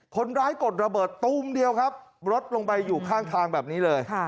กดระเบิดตุ้มเดียวครับรถลงไปอยู่ข้างทางแบบนี้เลย